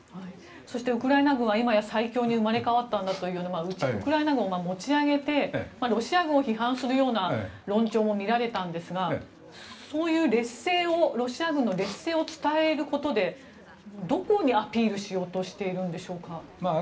そしてウクライナ軍は今や最強に生まれ変わったんだというようなウクライナ軍を持ち上げてロシア軍を批判するような論調も見られたんですがそういうロシア軍の劣勢を伝えることでどこにアピールしようとしているんでしょうか。